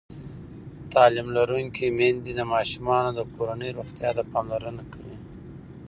تعلیم لرونکې میندې د ماشومانو د کورنۍ روغتیا ته پاملرنه کوي.